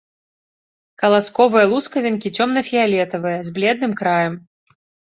Каласковыя лускавінкі цёмна-фіялетавыя, з бледным краем.